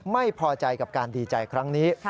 ไม่พอใจกับการดีใจครั้งนี้